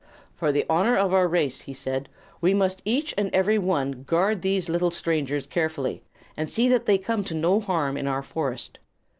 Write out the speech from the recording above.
"For the honor of our race," he said, "we must each and every one guard these little strangers carefully, and see that they come to no harm in our forest.